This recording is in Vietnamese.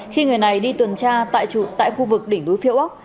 khi người này đi tuần tra tại khu vực đỉnh núi phía ốc